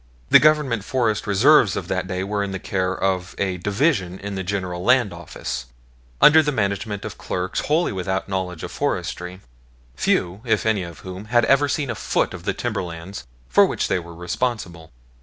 The Government forest reserves of that day were in the care of a Division in the General Land Office, under the management of clerks wholly without knowledge of forestry, few if any of whom had ever seen a foot of the timberlands for which they were responsible.